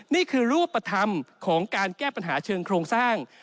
นี่คือรูปธรรมของการแก้ปัญหาเชิงโครงสร้าง